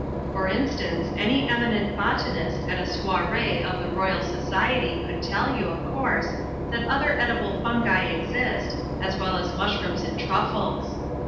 For in stance, any eminent botanist at a Soirie of the Ro5raI Society could tell you, of course, that other edible fungi exist, as well as mushrooms and truffles.